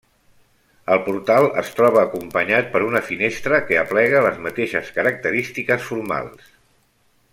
El portal es troba acompanyat per una finestra que aplega les mateixes característiques formals.